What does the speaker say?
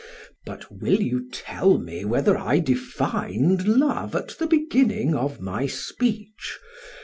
But will you tell me whether I defined love at the beginning of my speech?